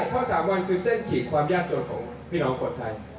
เพราะ๓วันคือเส้นขีดความยากจนของพี่น้องคนไทย